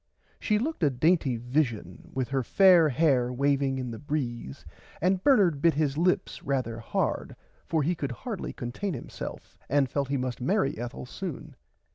She looked a dainty vishen [Pg 80] with her fair hair waving in the breeze and Bernard bit his lips rarther hard for he could hardly contain himself and felt he must marry Ethel soon.